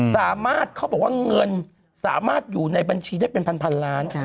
เขาบอกว่าเงินสามารถอยู่ในบัญชีได้เป็นพันล้าน